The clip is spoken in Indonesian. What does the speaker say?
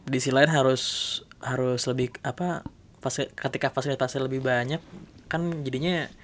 di sisi lain harus lebih apa ketika fasilitasnya lebih banyak kan jadinya